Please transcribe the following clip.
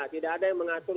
tidak ada yang mengatur